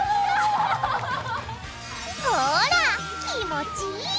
ほら気持ちいい！